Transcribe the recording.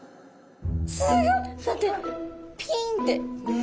すごい！待ってピンって！